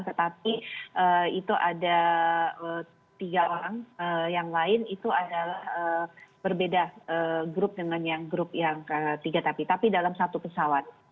tetapi itu ada tiga orang yang lain itu adalah berbeda grup dengan yang grup yang ketiga tapi dalam satu pesawat